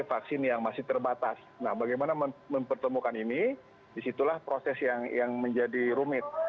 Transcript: vaksin yang masih terbatas nah bagaimana mempertemukan ini disitulah proses yang yang menjadi rumit